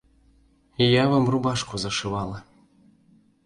Я вам рубашку зашывала.